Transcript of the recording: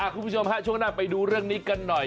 คุณผู้ชมฮะช่วงหน้าไปดูเรื่องนี้กันหน่อย